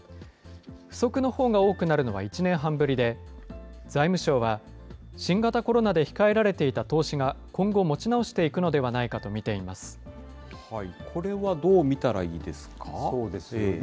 不足のほうが多くなるのは１年半ぶりで、財務省は、新型コロナで控えられていた投資が今後、持ち直していくのではなこれはどう見たらいいですかそうですよね。